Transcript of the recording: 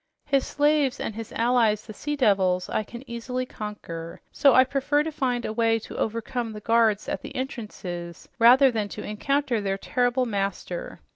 His slaves and his allies, the sea devils, I can easily conquer, so I prefer to find a way to overcome the guards at the entrances rather than to encounter their terrible master.